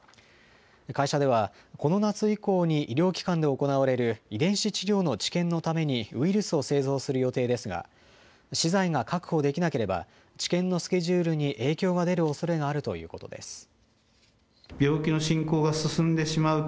会社では、この夏以降に医療機関で行われる遺伝子治療の治験のためにウイルスを製造する予定ですが、資材が確保できなければ、治験のスケジュールに影響が出るおそれがあるということです。